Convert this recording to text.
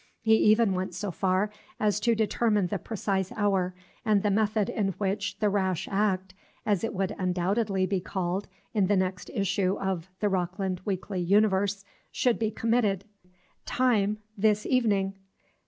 He even went so far as to determine the precise hour, and the method in which the "rash act," as it would undoubtedly be called in the next issue of "The Rockland Weekly Universe," should be committed. Time, this evening.